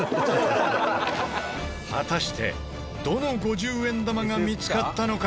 果たしてどの５０円玉が見つかったのか？